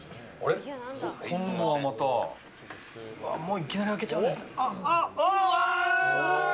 いきなり開けちゃうんですね。